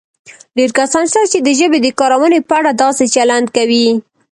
ډېر کسان شته چې د ژبې د کارونې په اړه داسې چلند کوي